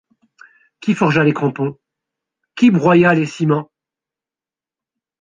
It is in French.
Qui forgea les crampons ? qui broya les ciments ?